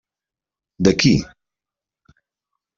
De qui?